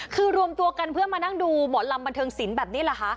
คือรวมตัวกันเพื่อมานั่งดูหมอลำบันเทิงศิลป์แบบนี้เหรอคะ